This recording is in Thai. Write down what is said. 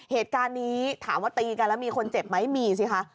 เหตุการณ์นี้ถามว่าตีกันแล้วมีคนเจ็บไหมมีสิคะ